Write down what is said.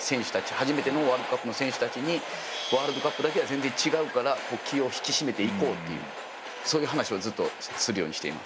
初めてのワールドカップの選手たちにワールドカップだけは全然違うから気を引き締めていこうというそういう話をずっとするようにしています。